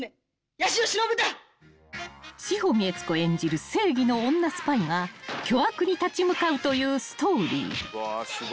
［志穂美悦子演じる正義の女スパイが巨悪に立ち向かうというストーリー］